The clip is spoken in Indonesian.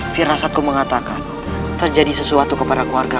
firasatku mengatakan terjadi sesuatu kepada keluarga